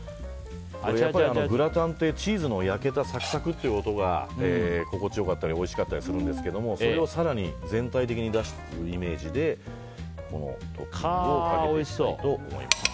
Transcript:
グラタンってチーズの焼けたサクサクって音が心地良かったりおいしかったりするんですけどもそれを更に全体的に出すイメージでかけていきたいと思います。